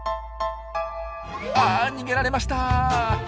あ逃げられました。